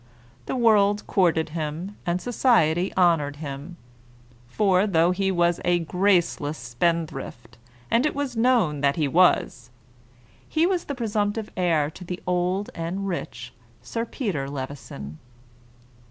The world courted him, and society honored him; for, though he was a graceless spendthrift, and it was known that he was, he was the presumptive heir to the old and rich Sir Peter Levison.